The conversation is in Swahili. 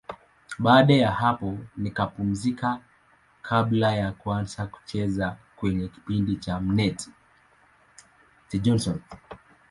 Baada ya hapo nikapumzika kabla ya kuanza kucheza kwenye kipindi cha M-net, The Johnsons.